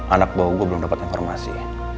anak bau gue belum dapat informasi